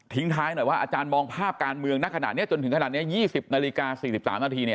ท้ายหน่อยว่าอาจารย์มองภาพการเมืองณขณะนี้จนถึงขนาดนี้๒๐นาฬิกา๔๓นาที